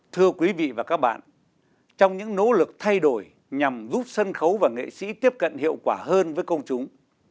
thưa quý vị và các bạn trong những nỗ lực thay đổi nhằm giúp sân khấu và nghệ sĩ tiếp cận hiệu quả hơn với công chúng